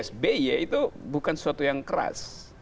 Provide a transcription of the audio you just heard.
sby itu bukan sesuatu yang keras